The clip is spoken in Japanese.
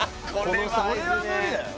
それは無理だよ